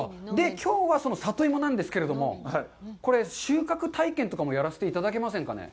きょうは、その里芋なんですけれども、これ、収穫体験とかもやらせていただけませんかね？